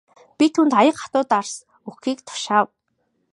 Би түүнд аяга хатуу дарс өгөхийг тушаав.